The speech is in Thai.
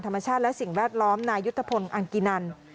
ธรรมชาติและสิ่งแวดล้อมนายุทธพลอังกินัน